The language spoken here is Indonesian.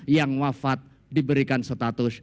yang wafat diberikan status